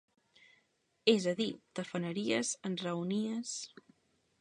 És a dir, tafaneries, enraonies...